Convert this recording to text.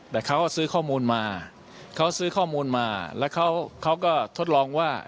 แต่เขาก็ซื้อข้อมูลมาเขาซื้อข้อมูลมาแล้วเขาก็ทดลองว่า